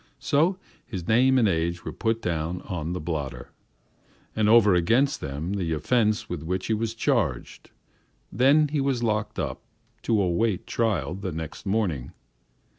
So his name and age were put down on the blotter, and over against them the offence with which he was charged. Then he was locked up to await trial the next morning.